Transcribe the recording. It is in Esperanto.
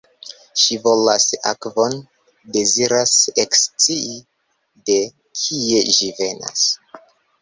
Ŝi volas akvon — deziras ekscii de kie ĝi venas.